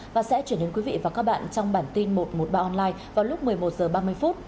và sẽ chuyển đến quý vị và các bạn trong bản tin một trăm một mươi ba online vào lúc một mươi một h ba mươi